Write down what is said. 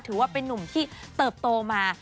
ถือว่าเป็นนุ่มที่เติบโตมา